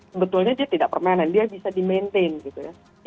sebetulnya dia tidak permanen dia bisa dimaintain gitu ya